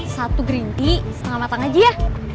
satu gerinti setengah matang aja ya